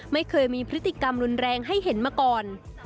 ไม่เคยมีพฤติกรรมรุนแรงให้เห็นมาก่อน